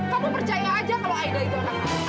kamu percaya aja kalau aida itu anak kamu